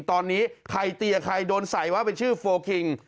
ตอนนี้ใครตีกับใครโดนใส่ว่าเป็นชื่อโฟลคิง